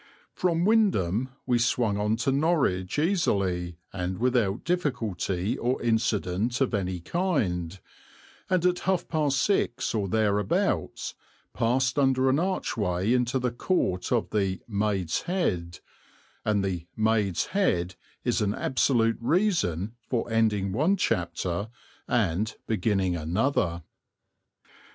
From Wymondham we swung on to Norwich easily, and without difficulty or incident of any kind, and at half past six or thereabouts passed under an archway into the Court of the "Maid's Head"; and the "Maid's Head" is an absolute reason for ending one chapter and beginning another.